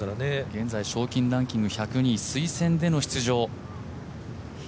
現在賞金ランキング１０２位、推薦での出場。